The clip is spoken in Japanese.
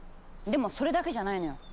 でもそれだけじゃないのよ。